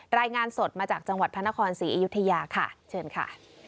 รายงานสดมาจากจังหวัดพระนครศรีอยุธยาค่ะเชิญค่ะ